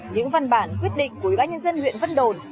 những văn bản quyết định của quý bác nhân dân huyện vân đồn